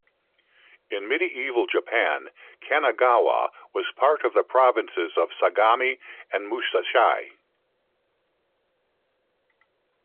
In medieval Japan, Kanagawa was part of the provinces of Sagami and Musashi.